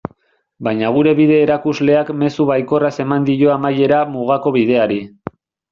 Baina gure bide-erakusleak mezu baikorraz eman dio amaiera Mugako Bideari.